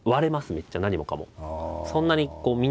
めっちゃ何もかも。